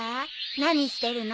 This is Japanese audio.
何してるの？